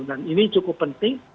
dan ini cukup penting